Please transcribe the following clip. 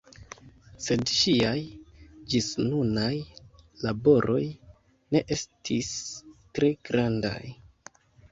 Sed ŝiaj ĝisnunaj laboroj ne estis tre grandaj.